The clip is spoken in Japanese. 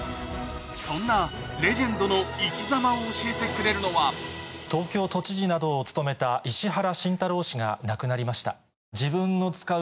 そんなレジェンドの生きざまを東京都知事などを務めた石原慎太郎が亡くなりました。